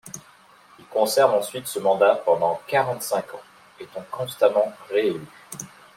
Il conserve ensuite ce mandat pendant quarante-cinq ans, étant constamment réélu.